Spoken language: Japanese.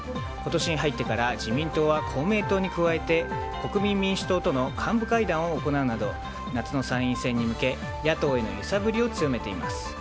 今年に入ってから自民党は公明党に加えて国民民主党との幹部会談を行うなど夏の参院選に向け野党への揺さぶりを強めています。